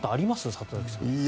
里崎さん。